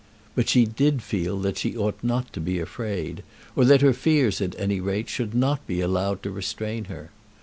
But she did feel that she ought not to be afraid, or that her fears, at any rate, should not be allowed to restrain her.